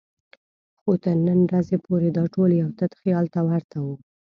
خو تر نن ورځې پورې دا ټول یو تت خیال ته ورته وو.